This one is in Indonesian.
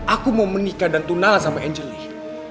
aku mau menikah dan tunala sama angelie